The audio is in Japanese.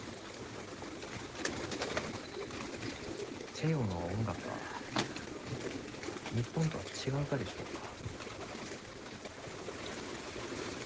西洋の音楽は日本とは違うがでしょうか？